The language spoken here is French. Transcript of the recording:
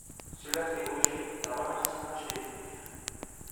Cela fait objet d'un remerciement chez les Juifs.